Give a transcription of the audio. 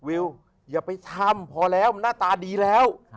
วิวอย่าไปทำพอแล้วมันหน้าตาดีแล้ว